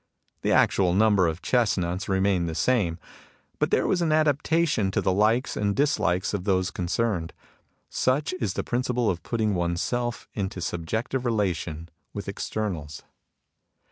The actual number of the chest nuts remained the same, but there was an adapta tion to the likes and dislikes of those concerned. Such is the principle of putting oneself into subjective relation with externals.